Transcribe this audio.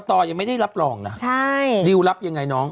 ต่อยังไม่ได้รับรองนะดิวรับยังไงน้อง